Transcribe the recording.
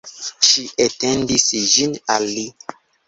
Ŝi etendis ĝin al li.